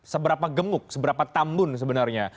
seberapa gemuk seberapa tambun sebenarnya